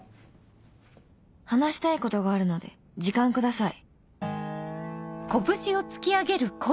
「話したいことがあるので時間ください」。